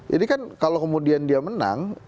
jadi kan kalau kemudian dia menang